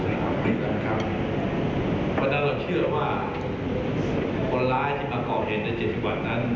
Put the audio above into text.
เพราะดังนั้นเราเชื่อว่าคนร้ายที่มาเกาะเห็นในเจษฐกรรมนั้น